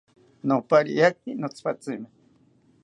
Nopariaki notzipatzimi